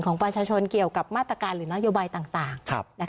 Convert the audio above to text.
ของประชาชนเกี่ยวกับมาตรการหรือนโยบายต่าง